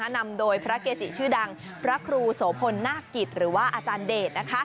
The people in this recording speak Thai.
นำโดยพระเกจิชื่อดังพระครูโสพลนาคกิจหรือว่าอาจารย์เดช